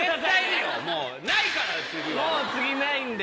もう次ないんで。